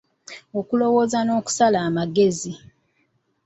Okulowooza n'okusala amagezi.